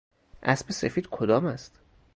اسب سفید کدام است؟